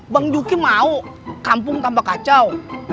bang juki mau kampung tambah kacau